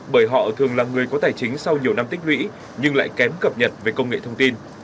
bởi họ thường là người có tài chính sau nhiều năm tích lũy nhưng lại kém cập nhật về công nghệ thông tin